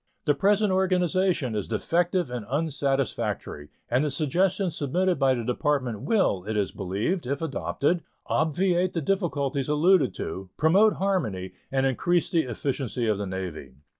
The present organization is defective and unsatisfactory, and the suggestions submitted by the Department will, it is believed, if adopted, obviate the difficulties alluded to, promote harmony, and increase the efficiency of the Navy.